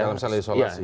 dalam sel isolasi